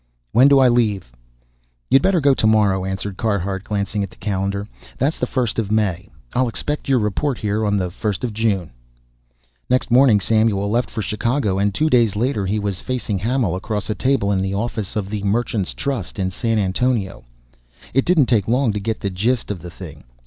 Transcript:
"When do I leave?" "You'd better go to morrow," answered Carhart, glancing at the calendar. "That's the 1st of May. I'll expect your report here on the 1st of June." Next morning Samuel left for Chicago, and two days later he was facing Hamil across a table in the office of the Merchants' Trust in San Antonio. It didn't take long to get the gist of the thing.